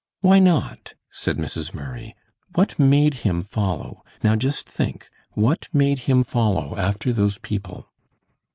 "Why not?" said Mrs. Murray. "What made him follow? Now just think, what made him follow after those people?"